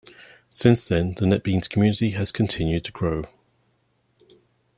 Since then, the NetBeans community has continued to grow.